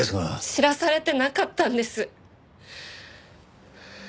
知らされてなかったんです！